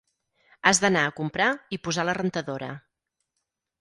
Has d'anar a comprar i posar la rentadora.